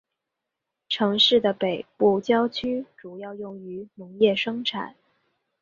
城市的北部郊区主要用于农业生产。